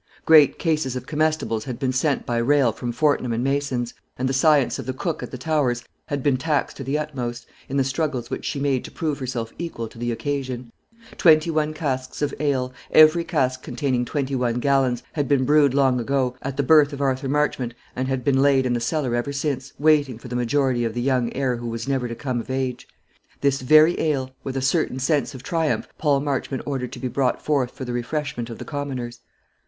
Great cases of comestibles had been sent by rail from Fortnum and Mason's; and the science of the cook at the Towers had been taxed to the utmost, in the struggles which she made to prove herself equal to the occasion. Twenty one casks of ale, every cask containing twenty one gallons, had been brewed long ago, at the birth of Arthur Marchmont, and had been laid in the cellar ever since, waiting for the majority of the young heir who was never to come of age. This very ale, with a certain sense of triumph, Paul Marchmont ordered to be brought forth for the refreshment of the commoners.